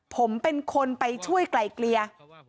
ผมเป็นคนไปช่วยไกลเกลี่ย